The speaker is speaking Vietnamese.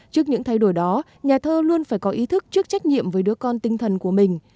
trước những thay đổi đó nhà thơ luôn phải có ý thức trước trách nhiệm với đứa con tinh thần của mình